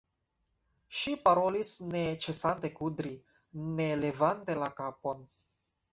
Ŝi parolis, ne ĉesante kudri, ne levante la kapon.